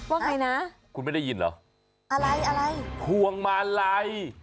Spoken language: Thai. ว่าไงนะคุณไม่ได้ยินเหรอพวงมาลัย